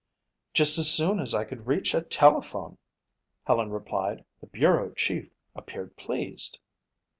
"Just as soon as I could reach a telephone," Helen replied. "The bureau chief appeared pleased."